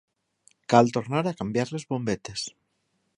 Cal tornar a canviar les bombetes.